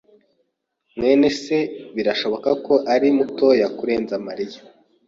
mwene se birashoboka ko ari mutoya kurenza Mariya.